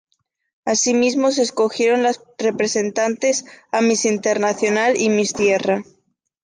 Así mismo se escogieron las representantes a Miss Internacional y Miss Tierra.